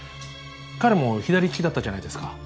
彼も左利きだったじゃないですか。